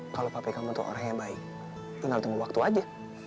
kalau papi kamu tuh orang yang baik tinggal tunggu waktu aja